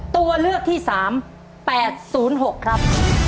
ตัวเลือกที่๓๘๐๖ครับ